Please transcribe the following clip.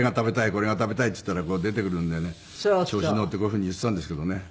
これが食べたいっつったら出てくるんでね調子に乗ってこういう風に言ってたんですけどね